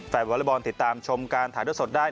วอเล็กบอลติดตามชมการถ่ายด้วยสดได้